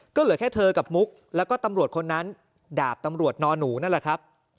ก็เหลือแค่เธอกับมุกแล้วก็ตำรวจคนนั้นดาบตำรวจนอนหนูนั่นแหละครับ